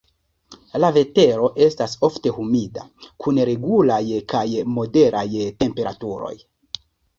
La vetero estas ofte humida, kun regulaj kaj moderaj temperaturoj.